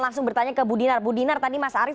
langsung bertanya ke bu dinar bu dinar tadi mas arief